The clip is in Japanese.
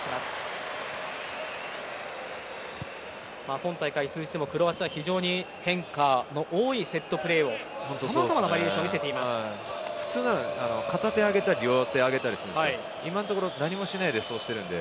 今大会通じてもクロアチアは非常に変化の多いセットプレーをさまざまなバリエーション普通なら片手を上げたり両手を上げたりするんですけど今のところ何もしないでそうしているので。